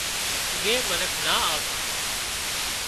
اڳي منک نا آوتان